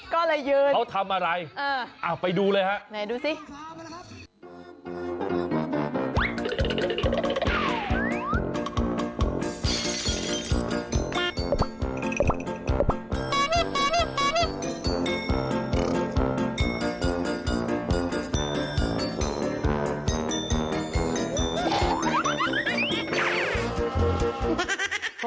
ก็เลยยืนเออไปดูเลยฮะนี่ดูสิขอบคุณครับ